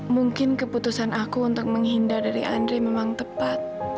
mungkin keputusan aku untuk menghindar dari andre memang tepat